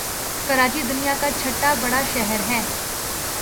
کراچی دنیا کاچهٹا بڑا شہر ہے